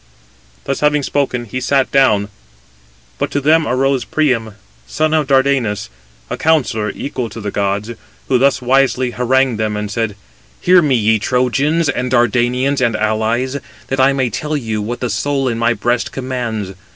Thus having spoken, he sat down; but to them arose Priam, son of Dardanus, a counsellor equal to the gods; who thus wisely harangued them, and said: "Hear me, ye Trojans, and Dardanians, and allies, that I may tell you what the soul in my breast commands.